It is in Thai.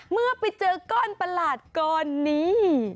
เมื่อไปเจอก้อนประหลาดก้อนนี้